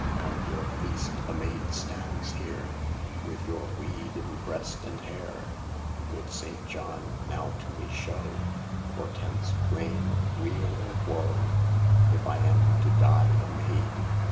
On your feast a maid stands here With your weed in breast and hair. Good Saint John, now to me show Portents plain of weal or woe. If I am to die a maid.